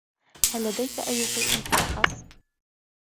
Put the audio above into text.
هل لديك أي شيء أرخص ؟